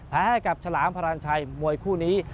ให้กับฉลามพรานชัยมวยคู่นี้